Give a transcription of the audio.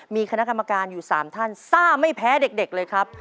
มีคณะกรรมการอยู่๓ท่านซ่าไม่แพ้เด็กเลยครับ